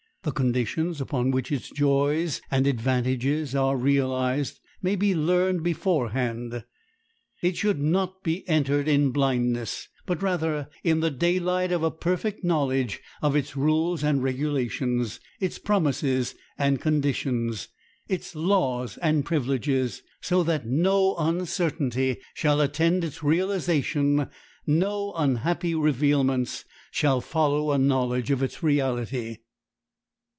The conditions upon which its joys and advantages are realized may be learned beforehand. It should not be entered in blindness, but rather in the daylight of a perfect knowledge of its rules and regulations, its promises and conditions, its laws and privileges, so that no uncertainty shall attend its realization, no unhappy revealments shall follow a knowledge of its reality.